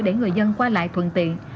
để người dân qua lại thuận tiện